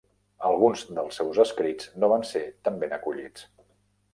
Alguns dels seus escrits no van ser tan ben acollits.